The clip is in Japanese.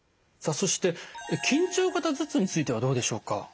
さあそして緊張型頭痛についてはどうでしょうか？